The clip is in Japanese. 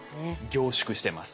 凝縮してます。